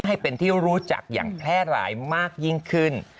ให้เป็นที่รู้จักอย่างแพร่หลายมากยิ่งขึ้น